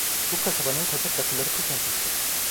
Bu kasabanın kaçak rakıları pek enfestir…